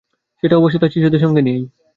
সেটা অবশ্যই তাঁর শিষ্যদের সঙ্গে নিয়েই।